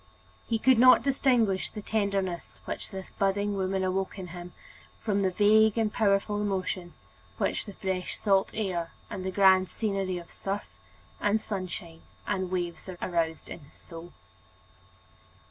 He could not distinguish the tenderness which this budding woman awoke in him from the vague and powerful emotion which the fresh salt air and the grand scenery of surf and sunshine and waves aroused in his soul.